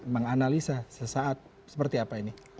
menganalisa sesaat seperti apa ini